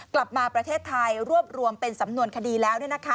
กลับมาประเทศไทยรวบรวมเป็นสำนวนคดีแล้ว